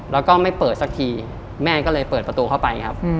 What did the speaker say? แล้วก็ไม่เปิดสักทีแม่ก็เลยเปิดประตูเข้าไปครับ